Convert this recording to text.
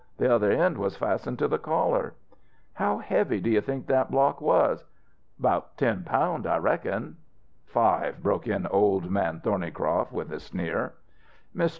The other end was fastened to the collar." "How heavy do you think that block was?" "About ten pound. I reckon." "Five," broke in Old Man Thornycroft with a sneer. Mr.